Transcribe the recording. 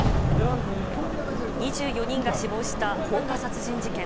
２４人が死亡した放火殺人事件。